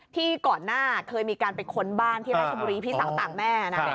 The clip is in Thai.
ก่อนหน้าเคยมีการไปค้นบ้านที่ราชบุรีพี่สาวต่างแม่นะ